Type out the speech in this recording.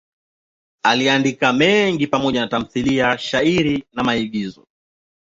Aliandika mengi pamoja na tamthiliya, shairi na maigizo.